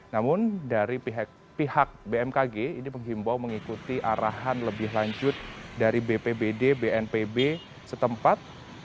namun dari pihak bmkg ini menghimbau mengikuti arahan lebih lanjut dari bpbd bnpb setempat